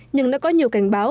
nhưng đã có nhiều cảnh báo